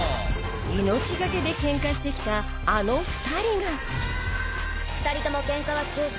命懸けでケンカしてきたあの２人が２人ともケンカは中止。